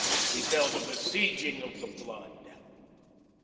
He felt a besieging of the blood.